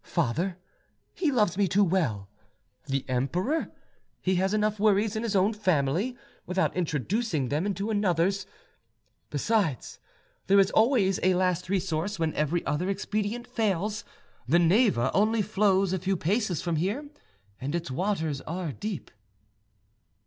Father? He loves me too well. The emperor? He has enough worries in his own family, without introducing them into another's. Besides, there is always a last resource when every other expedient fails: the Neva only flows a few paces from here, and its waters are deep."